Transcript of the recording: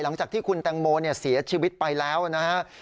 หลังจากที่คุณแตงโมเสียชีวิตไปแล้วนะครับ